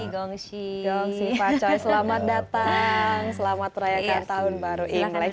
gongsi pak coy selamat datang selamat merayakan tahun baru imlek